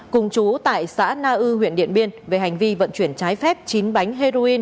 cùng chú tại xã na ư huyện điện biên về hành vi vận chuyển trái phép chín bánh heroin